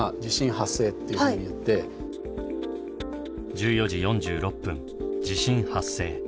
１４時４６分地震発生。